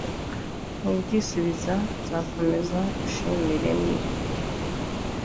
ntubyisubiza, nzakomeza ngushimire, ni